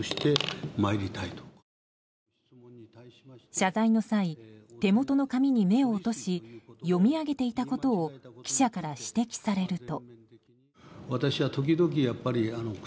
謝罪の際手元の紙に目を落とし読み上げていたことを記者から指摘されると。